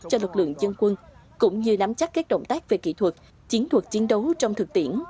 cho lực lượng dân quân cũng như nắm chắc các động tác về kỹ thuật chiến thuật chiến đấu trong thực tiễn